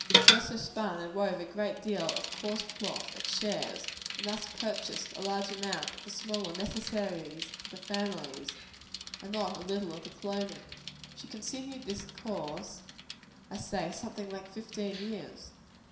She also spun and wove a great deal of coarse cloth, at shares; and thus purchased a large part of the smaller necessaries of the family, and not a little of the clothing. She continued this course, I say, something like fifteen years.